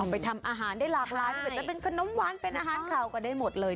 เอาไปทำอาหารได้หลากหลายเป็นขนมวันเป็นอาหารขาวก็ได้หมดเลย